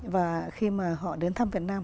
và khi mà họ đến thăm việt nam